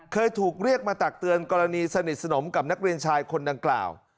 เคยถูกเรียกมาตักเตือนกรณีสนิทสนมกับนักเรียนชายคนดังกล่าว